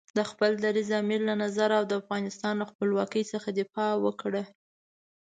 د خپل دریځ، امیر له نظر او د افغانستان له خپلواکۍ څخه دفاع وکړه.